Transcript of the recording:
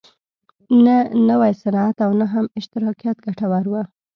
نه نوی صنعت او نه هم اشتراکیت ګټور و.